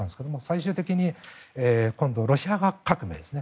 最終的に今度ロシア革命ですね。